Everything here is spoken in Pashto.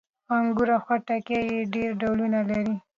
انګور او خټکي یې ډېر ډولونه لري.